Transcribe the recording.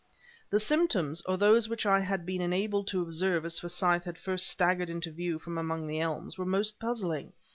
The symptoms, or those which I had been enabled to observe as Forsyth had first staggered into view from among the elms, were most puzzling.